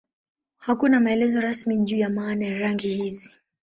Hakuna maelezo rasmi juu ya maana ya rangi hizi.